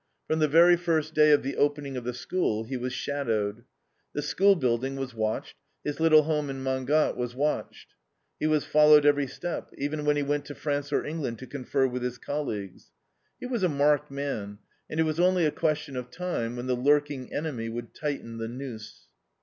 From the very first day of the opening of the School, he was shadowed. The school building was watched, his little home in Mangat was watched. He was followed every step, even when he went to France or England to confer with his colleagues. He was a marked man, and it was only a question of time when the lurking enemy would tighten the noose.